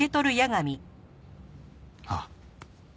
ああ。